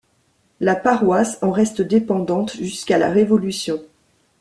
La paroisse en reste dépendante jusqu'à la Révolution.